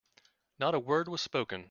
Not a word was spoken.